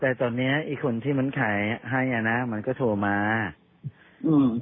แต่ตอนเนี้ยอีกคนที่มันขายให้อ่ะนะมันก็โทรมาอืม